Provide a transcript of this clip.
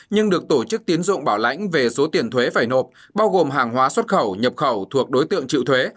nhưng được tổ chức tiến dụng bảo lãnh về số tiền thuế phải nộp bao gồm hàng hóa xuất khẩu nhập khẩu thuộc đối tượng chịu thuế